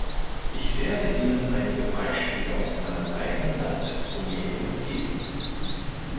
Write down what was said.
Ich werde Ihnen einige Beispiele aus meinem eigenen Land, Rumänien, geben.